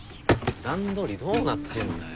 段取りどうなってんだよ。